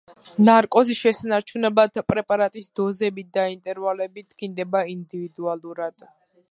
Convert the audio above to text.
ნარკოზის შესანარჩუნებლად პრეპარატის დოზები და ინტერვალები დგინდება ინდივიდუალურად.